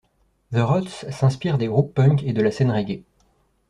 The Ruts s'inspirent des groupes punks et de la scène reggae.